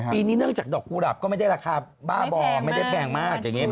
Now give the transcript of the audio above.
ปีนี้เนื่องจากดอกกุหลาบก็ไม่ได้ราคาบ้าบ่อไม่ได้แพงมากอย่างนี้